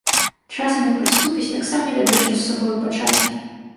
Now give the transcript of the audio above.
Часам, як прыступіць, так сам не ведаеш, што з сабою пачаць.